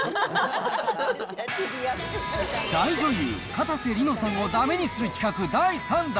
大女優、かたせ梨乃さんをだめにする企画第３弾。